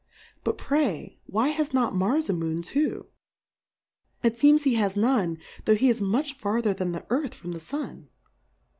But pray, why has not Mars a MoorT too ? It feems he has none, tho' he is much farther than the Earth from the Sun.